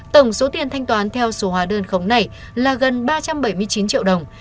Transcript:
tổng số tiền thanh toán theo số hóa đơn khống này là gần ba trăm bảy mươi chín triệu đồng